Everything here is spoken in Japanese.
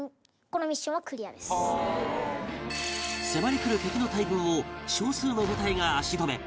迫り来る敵の大軍を少数の部隊が足止め